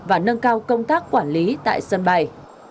và nâng cao công tác quản lý tại sân bay